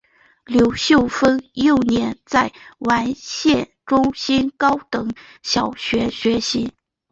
刘秀峰幼年在完县中心高等小学学习。